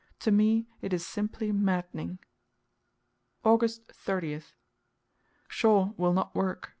To me it is simply maddening. August 30th. Shaw will not work.